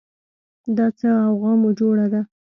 دا څه غوغا مو جوړه ده